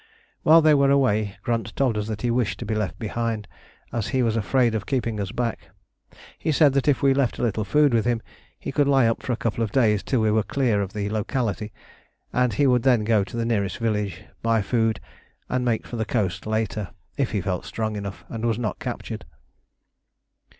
While they were away Grunt told us that he wished to be left behind, as he was afraid of keeping us back. He said that if we left a little food with him he could lie up for a couple of days till we were clear of the locality, and he would then go to the nearest village, buy food, and make for the coast later, if he felt strong enough and was not captured.